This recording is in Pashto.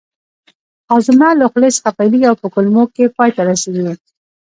هاضمه له خولې څخه پیلیږي او په کولمو کې پای ته رسیږي